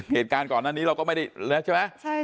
เหตุการณ์ก่อนหน้านี้เราก็ไม่ได้แล้วใช่ไหม